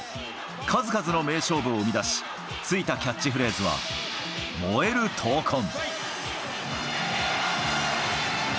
数々の名勝負を生み出し、付いたキャッチフレーズは、燃える闘魂。